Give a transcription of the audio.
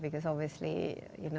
karena jika terkembang